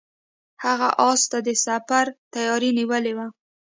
هغه اس ته د سفر تیاری نیولی و.